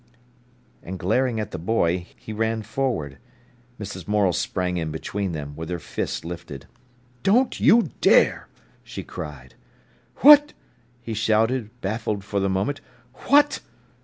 And, glaring at the boy, he ran forward. Mrs. Morel sprang in between them, with her fist lifted. "Don't you dare!" she cried. "What!" he shouted, baffled for the moment. "What!"